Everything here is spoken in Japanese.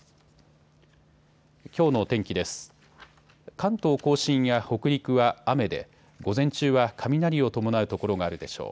関東甲信や北陸は雨で午前中は雷を伴う所があるでしょう。